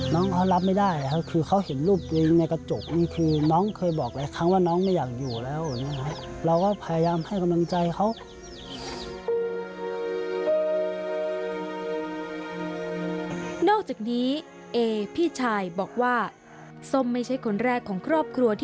นอกจากนี้เอพี่ชายบอกว่าสมไม่ใช่คนแรกของครอบครัวเดือนแม่